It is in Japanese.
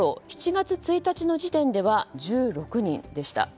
７月１日の時点では１６人でした。